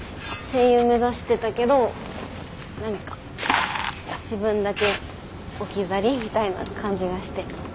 声優目指してたけど何か自分だけ置き去りみたいな感じがして。